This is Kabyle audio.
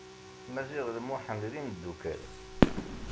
Maziɣ d Muḥend d imdukkal.